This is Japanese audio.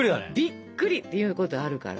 びっくりっていうことあるから。